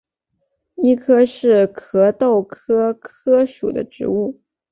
谊柯是壳斗科柯属的植物。